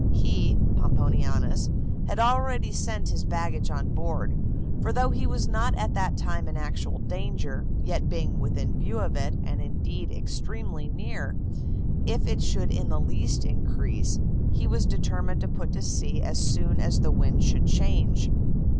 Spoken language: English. He (Pomponianus) had already sent his baggage on board; for though he was not at that time in actual danger, yet being within view of it, and indeed extremely near, if it should in the least increase, he was determined to put to sea as soon as the wind should change.